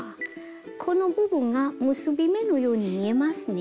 この部分が結び目のように見えますね。